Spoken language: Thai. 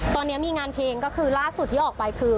ตอนนี้มีงานเพลงก็คือล่าสุดที่ออกไปคือ